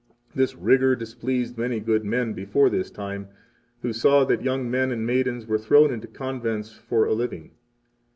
8 This rigor displeased many good men before this time, who saw that young men and maidens were thrown into convents for a living.